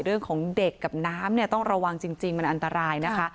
เรื่องของเด็กกับน้ำเนี่ยต้องระวังจริงมันอันตรายนะคะ